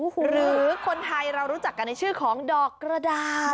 หรือคนไทยเรารู้จักกันในชื่อของดอกกระดาษ